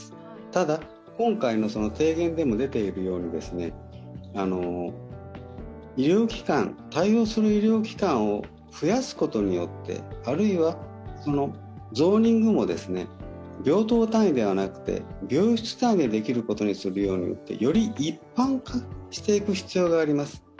ただ、今回の提言でも出ているように、対応する医療機関を増やすことによって、あるいはゾーニングを病棟単位ではなくて病室単位でできるようにすることによってより一般化していく必要があります。